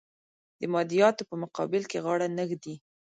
د مادیاتو په مقابل کې غاړه نه ږدي.